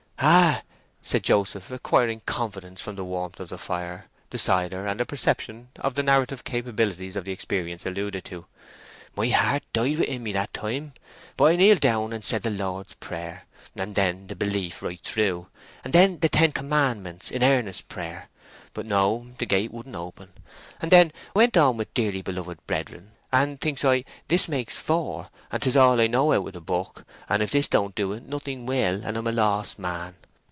"Ay," said Joseph, acquiring confidence from the warmth of the fire, the cider, and a perception of the narrative capabilities of the experience alluded to. "My heart died within me, that time; but I kneeled down and said the Lord's Prayer, and then the Belief right through, and then the Ten Commandments, in earnest prayer. But no, the gate wouldn't open; and then I went on with Dearly Beloved Brethren, and, thinks I, this makes four, and 'tis all I know out of book, and if this don't do it nothing will, and I'm a lost man.